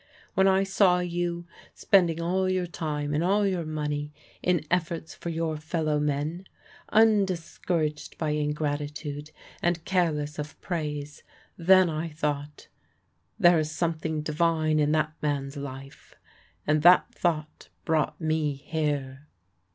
When I saw you spending all your time and all your money in efforts for your fellow men, undiscouraged by ingratitude, and careless of praise, then I thought, 'There is something divine in that man's life,' and that thought brought me here."